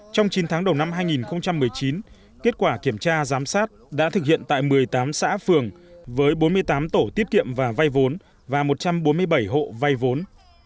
trong chín tháng đầu năm hai nghìn một mươi chín kết quả kiểm tra giám sát đã thực hiện tại một mươi tám xã phường với bốn mươi tám tổ tiết kiệm và vay vốn và một trăm bốn mươi bảy hộ vay vốn